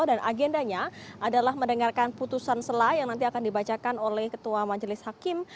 agendanya adalah mendengarkan putusan selah yang nanti akan dibacakan oleh ketua majelis hakim